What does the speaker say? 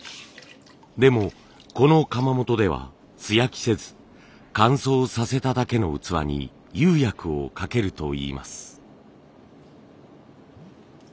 でもこの窯元では素焼きせず乾燥させただけの器に釉薬をかけるといいます。